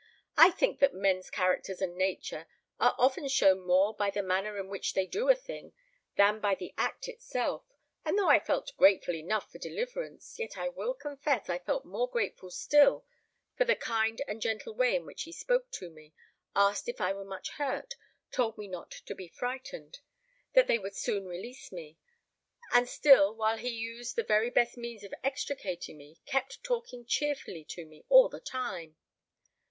"I think that men's characters and nature are often shown more by the manner in which they do a thing, than by the act itself; and though I felt grateful enough for deliverance, yet I will confess I felt more grateful still for the kind and gentle way in which he spoke to me, asked if I were much hurt, told me not to be frightened, that they would soon release me; and still, while he used the very best means of extricating me, kept talking cheerfully to me all the time."